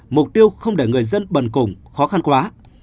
mục tiêu không để người dân bần cùng khó khăn quá